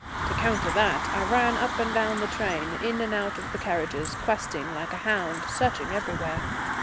To counter that I ran up and down the train, in and out of the carriages, questing like a hound, searching everywhere.